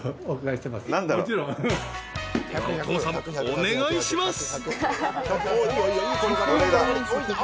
お願いします］